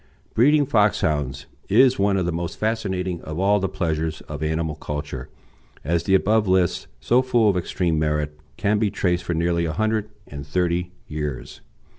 Breeding Foxhounds is one of the most fascinating of all the pleasures of animal culture, as the above list, so full of extreme merit, can be traced for nearly a hundred and thirty years.